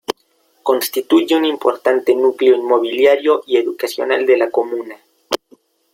Constituye un importante núcleo inmobiliario y educacional de la comuna.